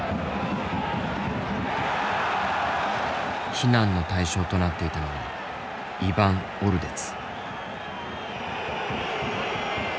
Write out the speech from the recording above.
非難の対象となっていたのはイヴァン・オルデツ。